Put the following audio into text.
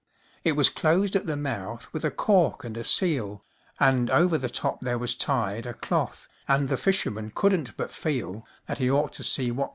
It was closed at the mouth with a cork and a seal, And over the top there was tied A cloth, and the fisherman couldn't but feel That he ought to see what was inside.